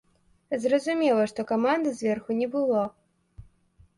Зразумела, што каманды зверху не было.